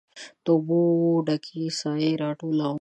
د اوبو ډ کې سائې راټولومه